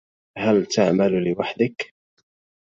هل تعمل لوحدك؟